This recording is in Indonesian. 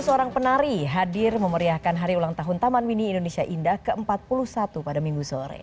seorang penari hadir memeriahkan hari ulang tahun taman mini indonesia indah ke empat puluh satu pada minggu sore